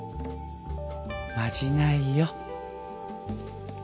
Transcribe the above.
まじないよ。